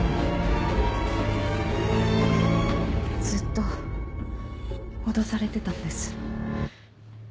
ずっと脅されてたんです。